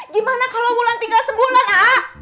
gimana kalau bulan tinggal sebulan aa